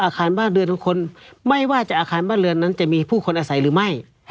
อาคารบ้านเรือนทุกคนไม่ว่าจะอาคารบ้านเรือนนั้นจะมีผู้คนอาศัยหรือไม่